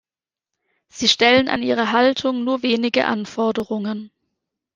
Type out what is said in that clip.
Sie stellen an ihre Haltung nur wenige Anforderungen.